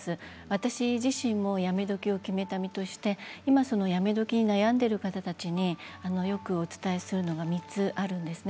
私自身もやめ時を決めた身として今そのやめ時に悩んでいる方たちによくお伝えするのが３つあるんです。